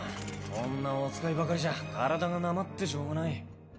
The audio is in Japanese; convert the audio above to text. こんなお使いばかりじゃ体がなまってしょうがない。